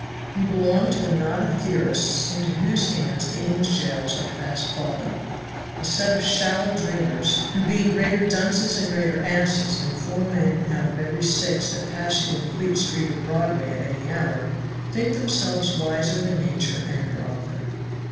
He belonged to a knot of theorists into whose hands the English jails are fast falling; a set of shallow dreamers, who being greater dunces and greater asses than four men out of every six that pass you in Fleet Street or Broadway at any hour, think themselves wiser than Nature and her Author.